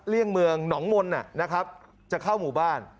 เลี่ยงเมืองหนองมนต์นะครับจะเข้าหมู่บ้าน